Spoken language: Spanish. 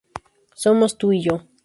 Somos tú y yo.